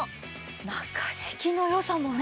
中敷きの良さもね。